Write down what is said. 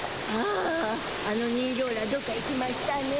ああの人形らどっか行きましゅたね。